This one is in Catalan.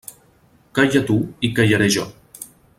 Calla tu i callaré jo.